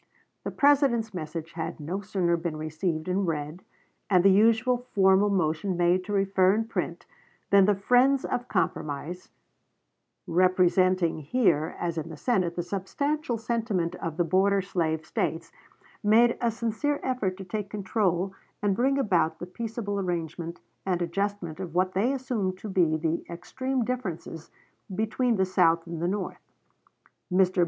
The President's message had no sooner been received and read, and the usual formal motion made to refer and print, than the friends of compromise, representing here, as in the Senate, the substantial sentiment of the border slave States, made a sincere effort to take control and bring about the peaceable arrangement and adjustment of what they assumed to be the extreme differences between the South and the North. Mr.